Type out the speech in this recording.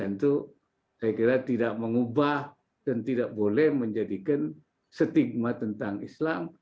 dan itu saya kira tidak mengubah dan tidak boleh menjadikan stigma tentang islam